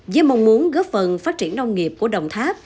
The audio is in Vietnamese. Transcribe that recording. với mong muốn góp phần phát triển nông nghiệp của đồng tháp